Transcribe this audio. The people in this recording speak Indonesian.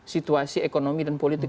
situasi ekonomi dan politik